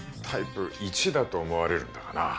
タイプ１だと思われるんだがな。